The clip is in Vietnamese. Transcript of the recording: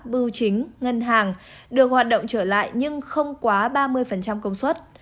bưu chính ngân hàng được hoạt động trở lại nhưng không quá ba mươi công suất